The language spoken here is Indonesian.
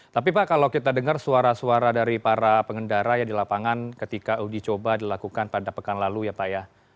tapi pak kalau kita dengar suara suara dari para pengendara ya di lapangan ketika uji coba dilakukan pada pekan lalu ya pak ya